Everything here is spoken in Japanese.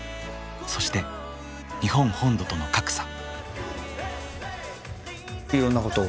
そして日本本土との格差。